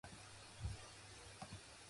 McConnell's colleague was Darrell Hair.